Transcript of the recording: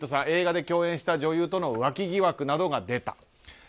映画で共演した女優との浮気疑惑などが出た。